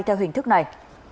theo hình thức này